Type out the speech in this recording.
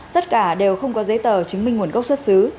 tất cả đều không có giấy tờ chứng minh nguồn gốc xuất xứ